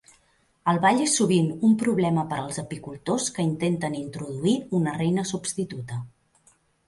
El ball és sovint un problema per als apicultors que intenten introduir una reina substituta.